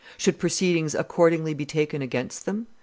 Should proceedings accordingly be taken against them?